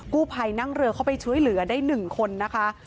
กู้ภัยนั่งเรือเข้าไปช่วยเหลือได้๑คนนะคะ